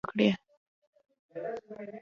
هغه ډېرې خبرې وکړې.